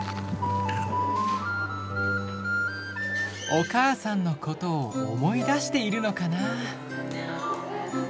お母さんのことを思い出しているのかな。